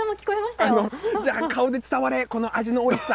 じゃあ、顔で伝われ、この味のおいしさ！